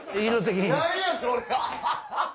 何やそれ！